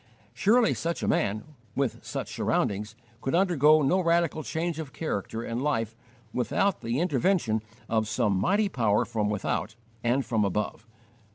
Surely such a man, with such surroundings, could undergo no radical change of character and life without the intervention of some mighty power from without and from above!